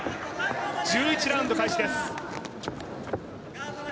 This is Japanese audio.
１１ラウンド開始です。